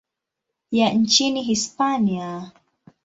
ya nchini Hispania.